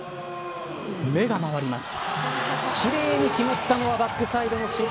目が回ります。